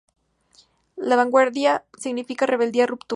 La vanguardia significaba rebeldía, ruptura.